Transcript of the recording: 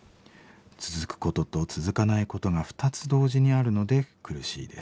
続くことと続かないことが２つ同時にあるので苦しいです。